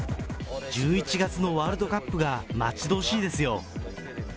１１月のワールドカップが待ち遠しいですよ。